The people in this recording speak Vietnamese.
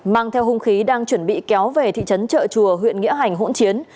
mang theo hung khí đang chuẩn bị kéo về thị trấn trợ chùa huyện nghĩa hành hỗn chiến